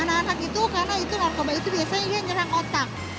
anak anak itu karena itu narkoba itu biasanya dia nyerang otak